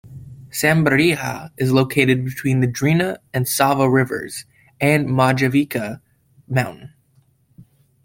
Semberija is located between the Drina and Sava rivers and Majevica mountain.